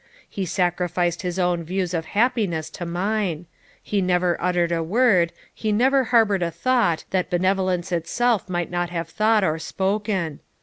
he sacrificed his own views of happiness to mine; he never uttered a word, he never harboured a thought, that benevolence itself might not have thought or spoken.